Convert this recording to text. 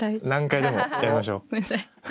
ごめんなさい。